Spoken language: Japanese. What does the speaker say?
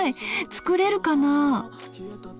作れるかな？